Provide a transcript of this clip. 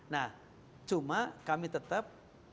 nah cuma kami tetap